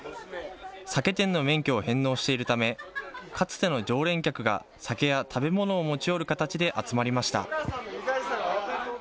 酒店の免許を返納しているため、かつての常連客が酒や食べ物を持ち寄る形で集まりました。